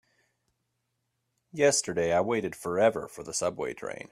Yesterday I waited forever for the subway train.